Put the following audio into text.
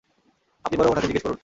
আপনি বরং উনাকে জিজ্ঞেস করুন!